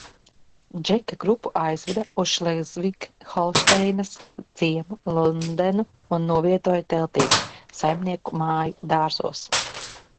Džeka grupu aizveda uz Šlezvig Holšteinas ciemu Lundenu un novietoja teltīs, saimnieku māju dārzos.